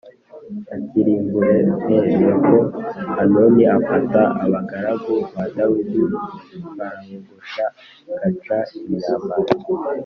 Akirimbure e nuko hanuni afata abagaragu ba dawidi f arabogosha gaca imyambaro